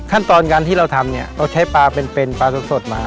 ขั้นตอนการที่เราทำเนี่ยเราใช้ปลาเป็นปลาสดมา